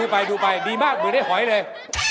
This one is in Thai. ได้ดูไปดีมากเหมือนเฮอยเลย